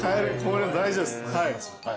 大丈夫ですはい。